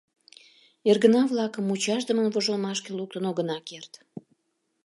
Эргына-влакым мучашдымын вожылмашке луктын огына керт».